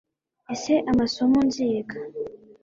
ese amasomo nziga